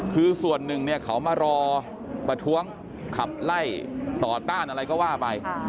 คือส่วนหนึ่งเนี่ยเขามารอประท้วงขับไล่ต่อต้านอะไรก็ว่าไป